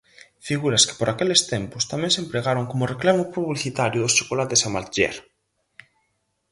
Figuras que por aqueles tempos tamén se empregaron como reclamo publicitario dos chocolates Amatller.